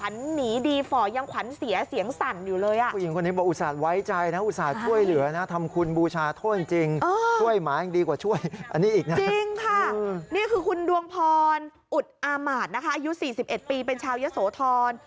นี่คือคุณดวงพรอุทธ์อาหมารอายุ๔๑ปีเป็นชาวเยอะโสธร